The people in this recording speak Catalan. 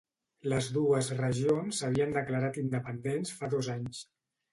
Les dues regions s'havien declarat independents fa dos anys